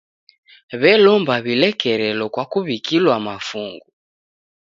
W'elomba w'ilekerelo kwa kuw'ikilwa mafungu.